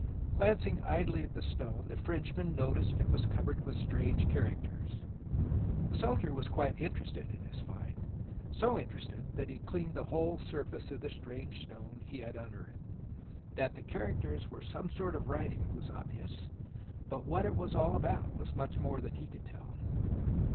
Glancing idly at the stone, the Frenchman noticed it was covered with strange characters. The soldier was quite interested in his find, so interested that he cleaned the whole surface of the strange stone he had unearthed. That the characters were some sort of writing was obvious, but what it was all about was much more than he could tell.